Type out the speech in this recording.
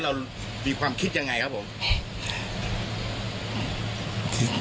เรามีความคิดยังไงครับผม